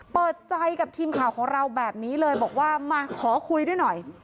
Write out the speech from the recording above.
เปิดใจกับทีมข่าวของเราแบบนี้เลยบอกว่ามาขอคุยด้วยหน่อย